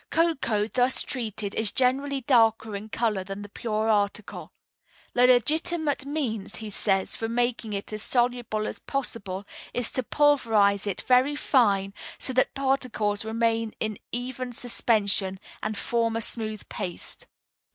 Cocoa thus treated is generally darker in color than the pure article. The legitimate means, he says, for making it as soluble as possible is to pulverize it very fine, so that particles remain in even suspension and form a smooth paste.